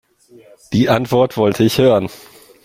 Die Antwort wollte ich hören.